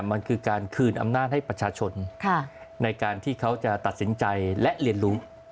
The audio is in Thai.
มันคือการคืนอำนาจให้ประชาชนในการที่เขาจะตัดสินใจและเรียนรู้